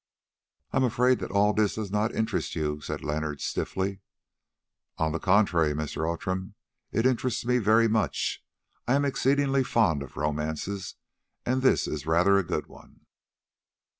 "I am afraid that all this does not interest you," said Leonard stiffly. "On the contrary, Mr. Outram, it interests me very much. I am exceedingly fond of romances, and this is rather a good one."